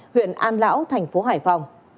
huyện an lão thành phố hải phòng